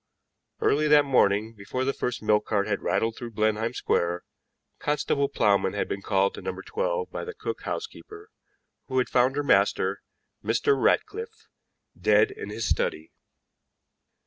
Early that morning, before the first milk cart had rattled through Blenheim Square, Constable Plowman had been called to No. 12 by the cook housekeeper, who had found her master, Mr. Ratcliffe, dead in his study.